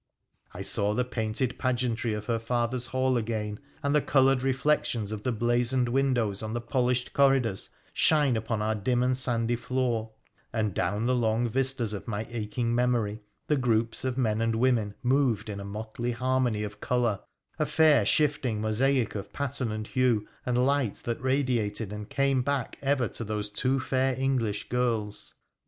I saw the painted pageantry of her father's hall again and the coloured reflections of the blazoned windows on the polished corridors shine upon our dim and sandy floor, and down the long vistas of my aching memory the groups of men and women moved in a motley harmony of colour — a fair shifting mosaic of pattern and hue and light that radiated and came back ever to those two fair English girls.